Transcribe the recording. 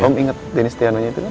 om inget denny setiano itu kan